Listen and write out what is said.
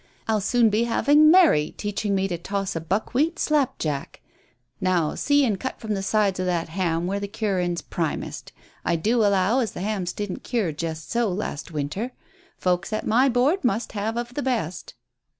"I'll soon be having Mary teaching me to toss a buckwheat 'slap jack.' Now see an' cut from the sides o' that ham where the curin's primest. I do allow as the hams didn't cure just so, last winter. Folks at my board must have of the best."